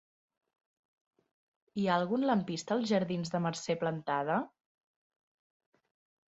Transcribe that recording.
Hi ha algun lampista als jardins de Mercè Plantada?